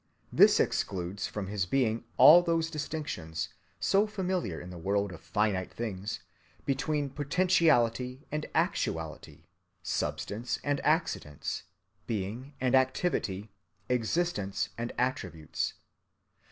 This excludes from his being all those distinctions, so familiar in the world of finite things, between potentiality and actuality, substance and accidents, being and activity, existence and attributes.